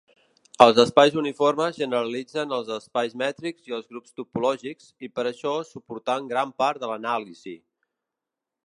Els espais uniformes generalitzen els espais mètrics i els grups topològics i per això suportant gran part de l'anàlisi.